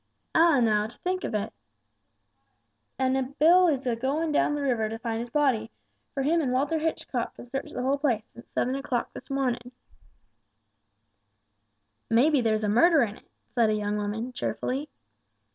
"Ah, now! To think of it! And Bill is a goin' down the river to find his body; for him and Walter Hitchcock have searched the whole place since seven o'clock this mornin'!" "May be there's a murder in it," said a young woman, cheerfully.